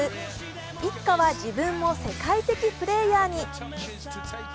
いつかは自分も世界的プレーヤーに。